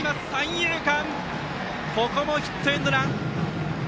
ここもヒットエンドラン！